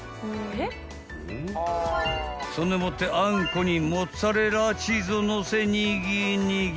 ［そんでもってあんこにモッツァレラチーズをのせにぎにぎ］